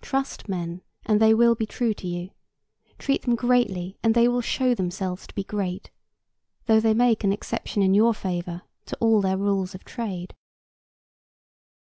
Trust men and they will be true to you; treat them greatly and they will show themselves great, though they make an exception in your favor to all their rules of trade.